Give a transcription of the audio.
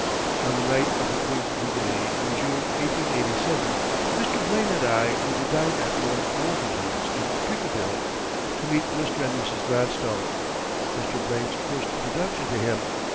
On the night of the Queen's Jubilee in June, 1887, Mr. Blaine and I were to dine at Lord Wolverton's in Piccadilly, to meet Mr. and Mrs. Gladstone Mr. Blaine's first introduction to him.